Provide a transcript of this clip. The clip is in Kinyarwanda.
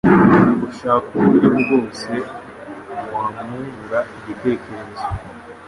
ushake uburyo bwose wamwungura igikerekezo,